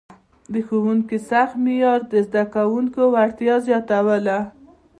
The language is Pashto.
د ښوونکي سخت معیار د زده کوونکو وړتیا زیاتوله.